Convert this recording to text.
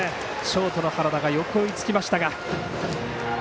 ショートの原田がよく追いつきましたが。